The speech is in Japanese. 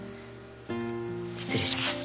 失礼します